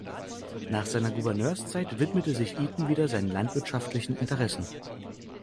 Nach seiner Gouverneurszeit widmete sich Eaton wieder seinen landwirtschaftlichen Interessen.